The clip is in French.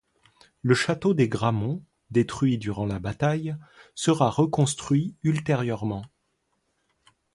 Le château des Grammont, détruit durant la bataille, sera reconstruit ultérieurement.